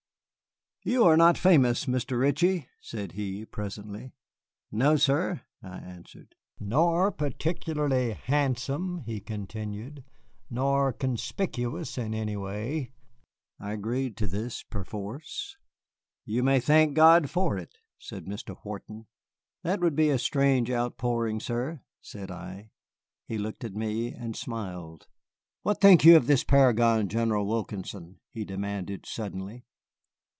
"You are not famous, Mr. Ritchie," said he, presently. "No, sir," I answered. "Nor particularly handsome," he continued, "nor conspicuous in any way." I agreed to this, perforce. "You may thank God for it," said Mr. Wharton. "That would be a strange outpouring, sir," said I. He looked at me and smiled. "What think you of this paragon, General Wilkinson?" he demanded suddenly.